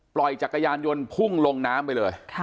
จักรยานยนต์พุ่งลงน้ำไปเลย